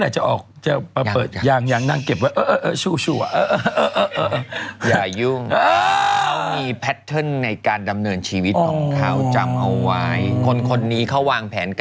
แต่ยูนคนละมือ